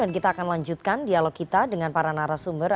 dan kita akan lanjutkan dialog kita dengan para narasumber